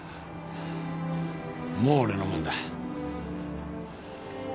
もう俺のもんだ。